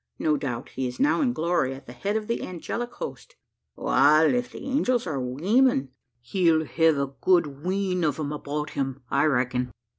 No doubt he is now in glory, at the head of the angelic host." "Wal if the angels are weemen, he'll hev a good wheen o' 'em about him, I reck'n.